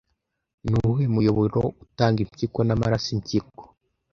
Nuwuhe muyoboro utanga impyiko n'amaraso Impyiko